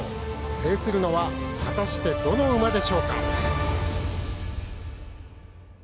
制するのは果たしてどの馬でしょうか。